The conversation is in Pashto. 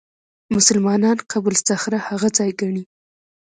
مسلمانان قبه الصخره هغه ځای ګڼي.